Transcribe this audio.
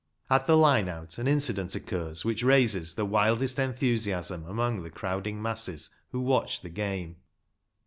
At the line out an incident occurs which raises the wildest enthusiasm amongst the crowding masses who watch the game.